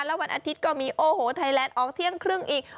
แล้ววันอาทิตย์ก็มีโอ้โหไทยแลนด์ออกเที่ยงครึ่งอีก